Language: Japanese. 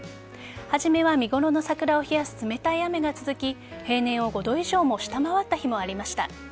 初めは見頃の桜を冷やす冷たい雨が続き平年を５度以上も下回った日もありました。